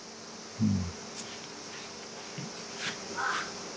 うん。